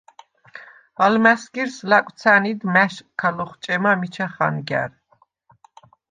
ალმა̈სგირს ლაკვცა̈ნიდ მა̈შკქა ლოხჭემა მიჩა ხანგა̈რ.